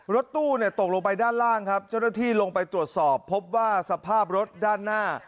รถตู้ตกลงไปด้านล่างครับเจ้าหน้าที่ลงไปตรวจสอบพบว่าสภาพรถด้านหน้า